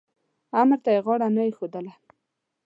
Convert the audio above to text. امر ته یې غاړه نه ایښودله.